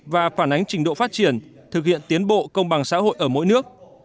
và phản ánh trình độ phát triển thực hiện tiến bộ công bằng xã hội ở mỗi nước